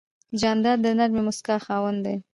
جانداد د نرمې موسکا خاوند دی.